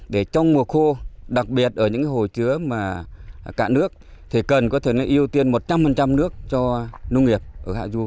để trong mùa khô đặc biệt ở những hồ chứa mà cạn nước thì cần có thể ưu tiên một trăm linh nước cho nông nghiệp ở hạ du